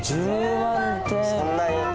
そんなに？